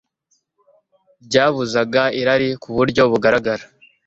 ryabuzaga irari ku buryo bugaragara